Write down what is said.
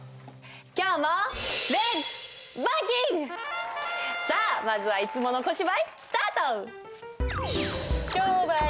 今日もさあまずはいつもの小芝居スタート！